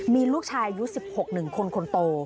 มีลูกชายอายุ๑๖๑คนคนโต